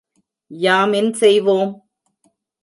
யாம் என் செய்வோம்?